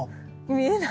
見えない？